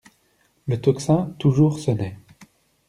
Le tocsin toujours sonnait.